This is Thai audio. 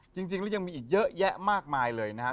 จริงแล้วยังมีอีกเยอะแยะมากมายเลยนะครับ